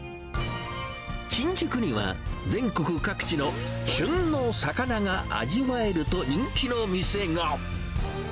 新宿には、全国各地の旬の魚が味わえると人気の店が。